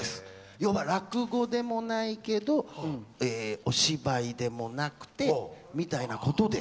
要は、落語でもないけどお芝居でもなく、みたいなことで。